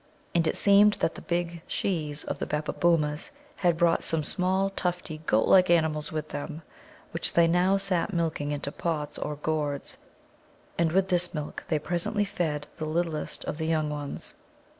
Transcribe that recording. And it seemed that the big shes of the Babbabōōmas had brought some small tufty, goatlike animals with them, which they now sat milking into pots or gourds. And with this milk they presently fed the littlest of the young ones.